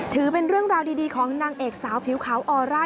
ถือเป็นเรื่องราวดีของนางเอกสาวผิวขาวออร่า